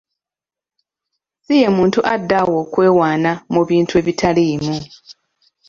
Si ye muntu addaawo okwewaana mu bintu ebitaliimu.